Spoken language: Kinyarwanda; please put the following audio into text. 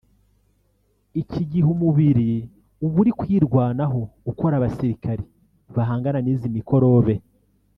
iki gihe umubiri uba uri kwirwanaho ukora abasirikare bahangana n’izi mikorobe